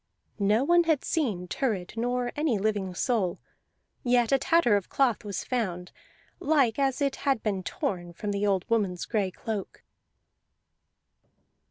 No one had seen Thurid nor any living soul; yet a tatter of cloth was found, like as it had been torn from the old woman's gray cloak.